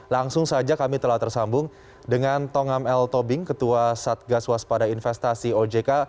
langsung saja kami telah tersambung dengan tongam l tobing ketua satgas waspada investasi ojk